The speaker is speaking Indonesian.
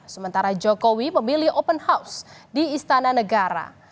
sementara jokowi memilih open house di istana negara